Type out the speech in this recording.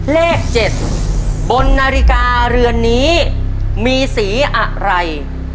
เลข๗บนนาฬิกาเรือนนี้มีสีอะไร